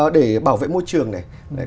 để bảo vệ môi trường này